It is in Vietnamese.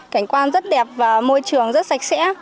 cảnh quan rất đẹp và môi trường rất sạch sẽ